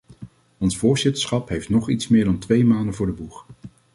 Ons voorzitterschap heeft nog iets meer dan twee maanden voor de boeg.